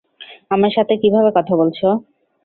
আমার সাথে কীভাবে কথা বলছ?